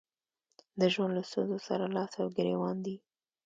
د ژوند له ستونزو سره لاس او ګرېوان دي.